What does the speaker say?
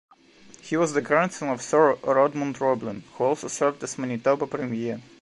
He was the grandson of Sir Rodmond Roblin, who also served as Manitoba Premier.